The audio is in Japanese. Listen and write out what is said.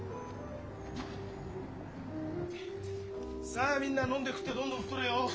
さあみんな飲んで食ってどんどん太れよ。